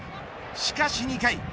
しかし２回。